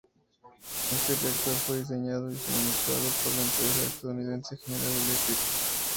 Este reactor fue diseñado y suministrado por la empresa estadounidense General Electric.